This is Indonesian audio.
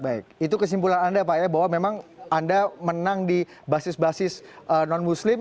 baik itu kesimpulan anda pak ya bahwa memang anda menang di basis basis non muslim